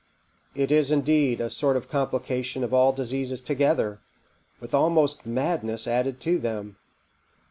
It is, indeed, a sort of complication of all diseases together, with almost madness added to them.